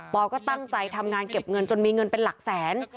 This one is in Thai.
อก็ตั้งใจทำงานเก็บเงินจนมีเงินเป็นหลักแสน